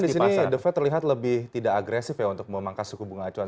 nah stansi kan di sini the fed terlihat lebih tidak agresif untuk memangkas suku bunga acuan